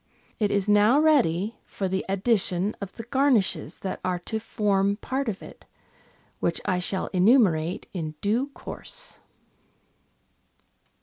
It is now ready for the addition of the garnishes that are to form part of it, which I shall enumerate in due course.